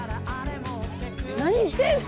何してんの？